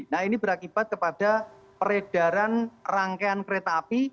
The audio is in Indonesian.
nah ini berakibat kepada peredaran rangkaian kereta api